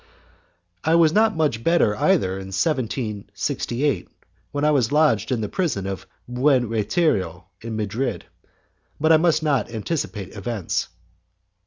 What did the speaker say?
I was not much better either in 1768, when I was lodged in the prison of Buen Retiro, in Madrid, but I must not anticipate events.